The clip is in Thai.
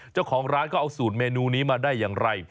เจ้าของร้านเขาเอาสูตรเมนูนี้มาได้อย่างไร